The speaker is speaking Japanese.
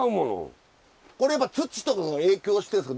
これやっぱ土とかが影響してるんですか？